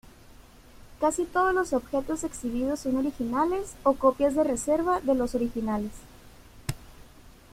Casi todos los objetos exhibidos son originales o copias de reserva de los originales.